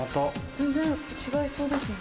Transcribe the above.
全然違いそうですね。